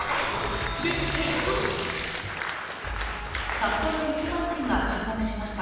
さっぽろ雪まつりが開幕しました。